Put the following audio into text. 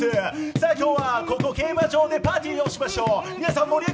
さあ、今日は、ここ競馬場でパーティーしましょう！